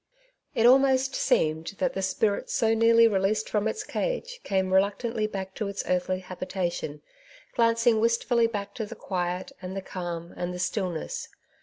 It almost seemed that the spirit so nearly released from ita cage came reluctantly back to its earthly habitation, glancing wistfully back to the quiet, and 220 *^ Two Sides to every Question. yy k the calm, and the stillness.